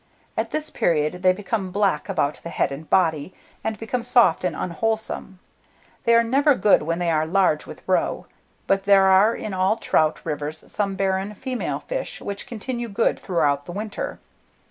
At this period they become black about the head and body, and become soft and unwholesome. They are never good when they are large with roe; but there are in all trout rivers some barren female fish, which continue good throughout the winter.